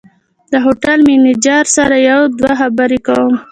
د هوټل منیجر سره یو دوه خبرې کوم.